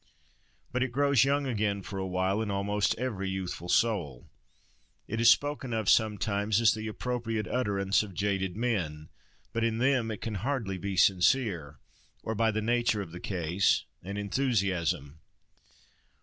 But it grows young again for a while in almost every youthful soul. It is spoken of sometimes as the appropriate utterance of jaded men; but in them it can hardly be sincere, or, by the nature of the case, an enthusiasm.